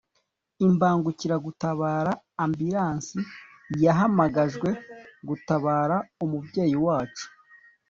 Imbagukiragutabara (Ambulance) yahamagajwe gutabara umubyeyi wacu